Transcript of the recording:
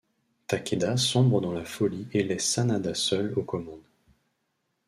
Takeda sombre dans la folie et laisse Sanada seul aux commandes.